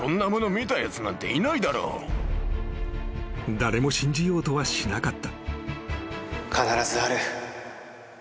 ［誰も信じようとはしなかった］